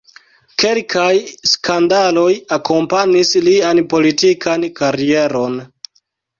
Kelkaj skandaloj akompanis lian politikan karieron.